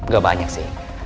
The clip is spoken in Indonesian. gak banyak sih